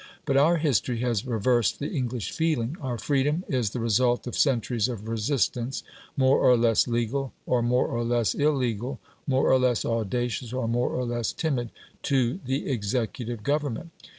But our history has reversed the English feeling: our freedom is the result of centuries of resistance, more or less legal, or more or less illegal, more or less audacious, or more or less timid, to the executive government.